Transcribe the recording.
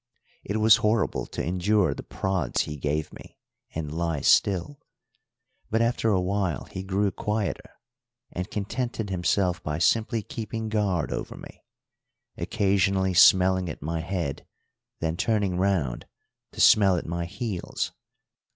It was horrible to endure the prods he gave me and lie still, but after a while he grew quieter, and contented himself by simply keeping guard over me; occasionally smelling at my head, then turning round to smell at my heels.